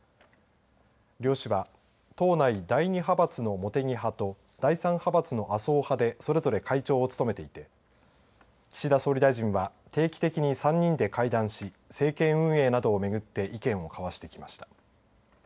両氏は党内第２派閥の茂木派と第３派閥の麻生派でそれぞれ会長を務めていて岸田総理大臣は定期的に３人で会談し政権運営などを巡って意見を交わしてきました。